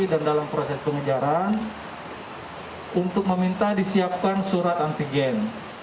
dalam proses pengejaran untuk meminta disiapkan surat antigen